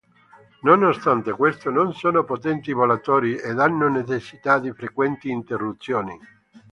Nonostante questo non sono potenti volatori ed hanno necessità di frequenti interruzioni.